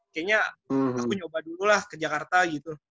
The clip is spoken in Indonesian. kayaknya aku nyoba dulu lah ke jakarta gitu